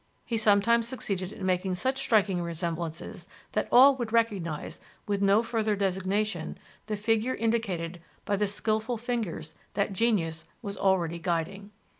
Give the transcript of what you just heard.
He sometimes succeeded in making such striking resemblances that all would recognize, with no further designation, the figure indicated by the skillful fingers that genius was already guiding."